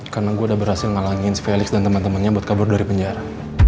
karena gue udah berhasil ngalahin si felix dan teman temannya buat kabur dari penjara